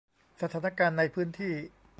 สถานการณ์ในพื้นที่